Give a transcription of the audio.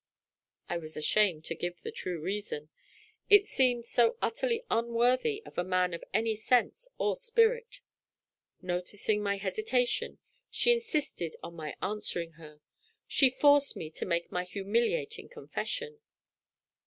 I was ashamed to give the true reason it seemed so utterly unworthy of a man of any sense or spirit. Noticing my hesitation, she insisted on my answering her; she forced me to make my humiliating confession.